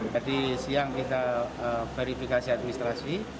jadi siang kita verifikasi administrasi